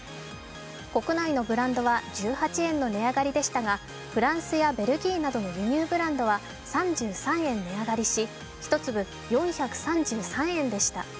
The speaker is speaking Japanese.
国内のブランドは１８円の値上がりでしたがフランスやベルギーなどの輸入ブランドは３３円値上がりし、１粒４３３円でした。